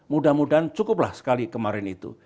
mudah mudahan cukuplah sekali kemarin itu